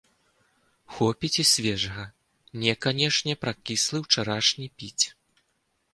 Хопіць і свежага, не канечне пракіслы ўчарашні піць.